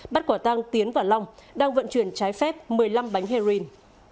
bắt quả tăng tiến và long đang vận chuyển trái phép một mươi năm bánh heroin